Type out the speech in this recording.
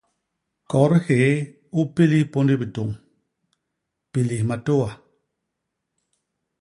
Kot hyéé u pilis pôndi bitôñ; pilis matôa.